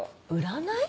占い？